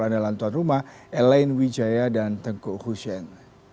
adalantuan rumah elaine wijaya dan tengku hushen